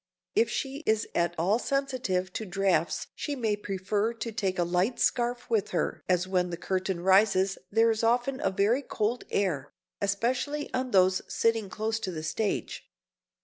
If she is at all sensitive to drafts she may prefer to take a light scarf with her as when the curtain rises there is often a very cold air, especially on those sitting close to the stage.